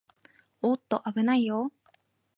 おーっと、あぶないよー